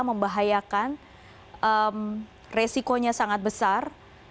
membahayakan resikonya sangat besar